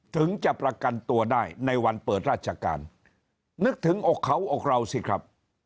ถึงจะประกันตัวได้ในวันเปิดราชการนึกถึงอกเขาอกเราสิครับ